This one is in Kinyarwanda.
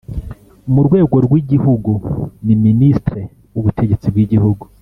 murwego rw’igihugu ni ministre w’ubutegetsi bw’igihugu